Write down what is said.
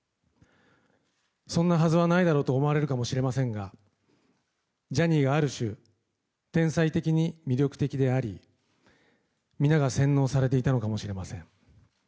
そんなはずはないだろうと思われるかもしれませんがジャニーがある種天才的に魅力的であり、皆が洗脳されていたのかもしれません。